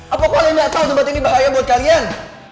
apa kalian gak tau tempat ini bahaya buat kalian